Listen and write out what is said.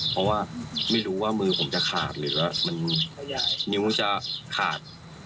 เพราะว่าไม่รู้ว่ามือผมจะขาดหรือว่ามันนิ้วจะขาด